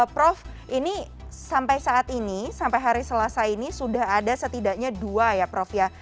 prof ini sampai saat ini sampai hari selesai ini sudah ada setidaknya dua ya prof ya